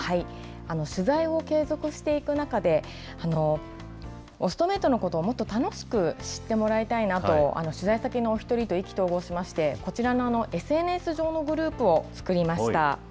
取材を継続していく中で、オストメイトのことをもっと楽しく知ってもらいたいなと、取材したお１人と意気投合しまして、こちらのＳＮＳ上のグループを作りました。